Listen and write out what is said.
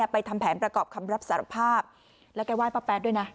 ทำแผนประกอบคำรับสารภาพแล้วก็ไห้ป้าแป๊ดด้วยนะ